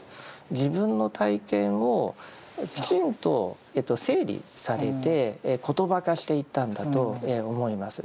自分の体験をきちんと整理されて言葉化していったんだと思います。